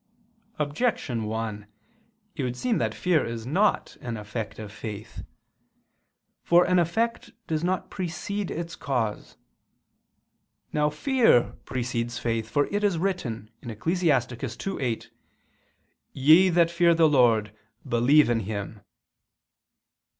Objection 1: It would seem that fear is not an effect of faith. For an effect does not precede its cause. Now fear precedes faith: for it is written (Ecclus. 2:8): "Ye that fear the Lord, believe in Him."